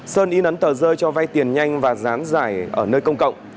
sơn y nấn tờ rơi cho vai tiền nhanh và gián giải ở nơi công cộng